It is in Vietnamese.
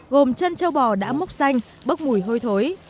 gồm chân châu bò đã mốc xanh bốc mùi hôi thối